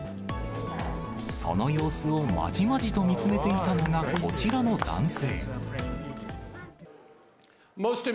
その様子をまじまじと見つめていたのがこちらの男性。